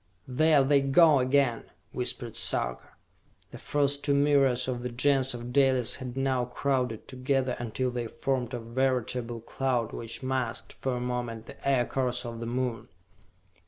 "There they go again!" whispered Sarka. The first two myriads of the Gens of Dalis had now crowded together until they formed a veritable cloud which masked, for a moment, the Aircars of the Moon.